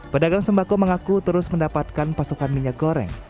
pedagang sembako mengaku terus mendapatkan pasokan minyak goreng